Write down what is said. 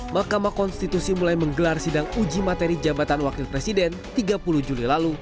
mahkamah konstitusi mulai menggelar sidang uji materi jabatan wakil presiden tiga puluh juli lalu